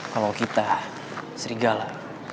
kalau kita serigala